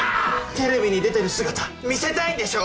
テレビに出てる姿見せたいんでしょ！？